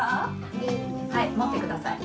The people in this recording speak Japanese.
はいもってください。